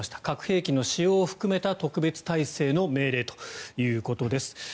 核兵器の使用を含めた特別態勢の命令ということです。